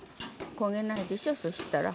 焦げないでしょそしたら。